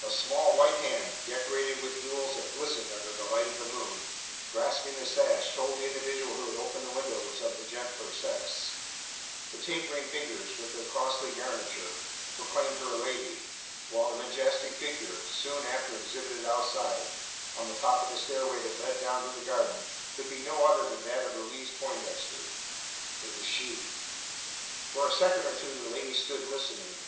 A small white hand decorated with jewels that glistened under the light of the moon grasping the sash told that the individual who had opened the window was of the gentler sex; the tapering fingers, with their costly garniture, proclaimed her a lady; while the majestic figure soon after exhibited outside, on the top of the stairway that led down to the garden could be no other than that of Louise Poindexter. It was she. For a second or two the lady stood listening.